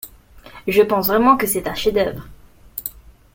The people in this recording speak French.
Je pense vraiment que c'est un chef-d'œuvre.